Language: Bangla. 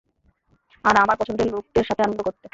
আর আমার পছন্দের লোকদের সাথে আনন্দ করতে।